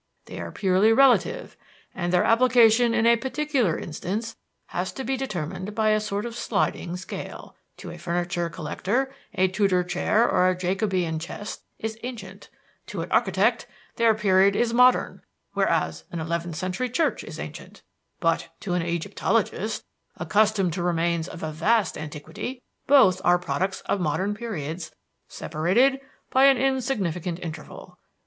They are purely relative and their application in a particular instance has to be determined by a sort of sliding scale. To a furniture collector, a Tudor chair or a Jacobean chest is ancient; to an architect, their period is modern, whereas an eleventh century church is ancient; but to an Egyptologist, accustomed to remains of a vast antiquity, both are products of modern periods separated by an insignificant interval.